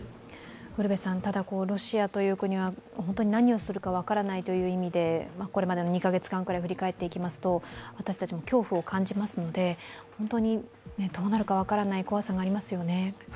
ただロシアという国は何をするか分からないということでこれまでの２カ月間くらい振り返っていきますと、私たちも恐怖を感じますので本当にどうなるか分からない怖さがありますよね。